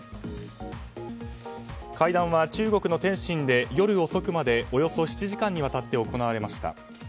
会談は中国の天津で夜遅くまでおよそ７時間にわたって行われました。